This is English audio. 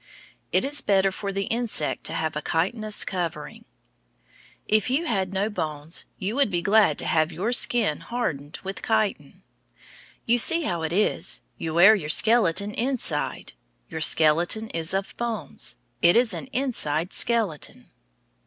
It is better for the insect to have a chitinous covering. If you had no bones, you would be glad to have your skin hardened with chitin. You see how it is, you wear your skeleton inside. Your skeleton is of bones; it is an inside skeleton.